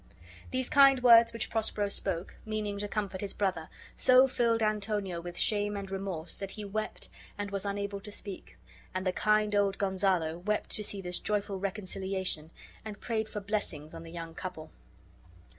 These kind words which Prospero spoke, meaning to comfort his brother, so filled Antonio with shame and remorse that be wept and was unable to speak; and the kind old Gonzalo wept to see this joyful reconciliation, and prayed for blessings on the young couple.